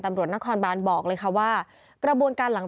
จากนั้นก็จะนำมาพักไว้ที่ห้องพลาสติกไปวางเอาไว้ตามจุดนัดต่าง